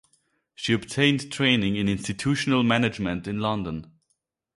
She obtained training in institutional management in London.